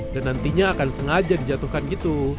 dan nantinya akan sengaja dijatuhkan gitu